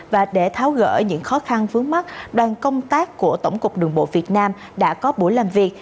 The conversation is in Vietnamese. và để tháo gỡ những khó khăn vướng mắt đoàn công tác của tổng cục đường bộ việt nam đã có buổi làm việc